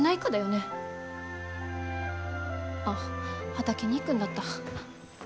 あっ畑に行くんだった。